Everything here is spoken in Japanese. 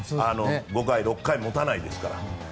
５回、６回持たないですから。